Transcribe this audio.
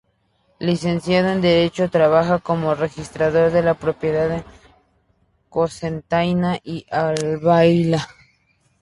Licenciado en Derecho, trabajó como registrador de la propiedad en Cocentaina y Albaida.